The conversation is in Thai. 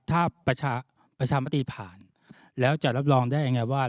ถ้าประชามติผ่านแล้วจะรับรองได้ยังไงว่า